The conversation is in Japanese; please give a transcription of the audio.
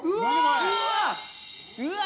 うわ！